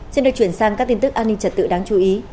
xin được chuyển sang các tin tức an ninh trật tự đáng chú ý